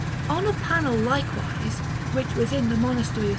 On a panel, likewise, which was in the Monastery of S.